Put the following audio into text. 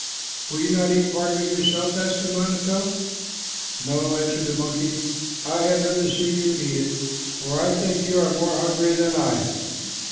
"Will you not eat part of it yourself?" asked the manito. "No," answered the monkey. "I had rather see you eat it, for I think you are more hungry than I."